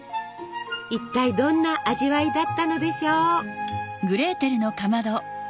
一体どんな味わいだったのでしょう。